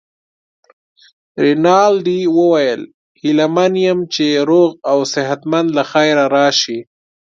رینالډي وویل: هیله من یم چي روغ او صحت مند له خیره راشې.